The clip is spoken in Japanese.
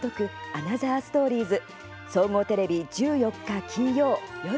「アナザーストーリーズ」。